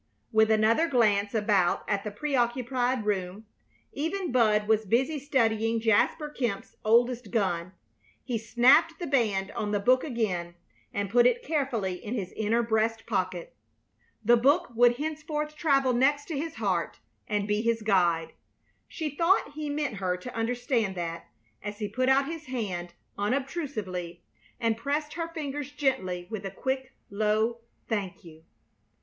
With another glance about at the preoccupied room even Bud was busy studying Jasper Kemp's oldest gun he snapped the band on the book again and put it carefully in his inner breast pocket. The book would henceforth travel next his heart and be his guide. She thought he meant her to understand that, as he put out his hand unobtrusively and pressed her fingers gently with a quick, low "Thank you!"